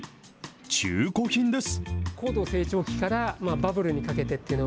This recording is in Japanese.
中古品です。